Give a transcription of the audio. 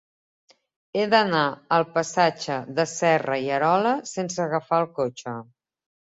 He d'anar al passatge de Serra i Arola sense agafar el cotxe.